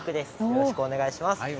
よろしくお願いします。